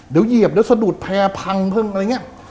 เดี๋ยวเหยียบเดี๋ยวสะดุดแพร่พังพึ่งอะไรอย่างนี้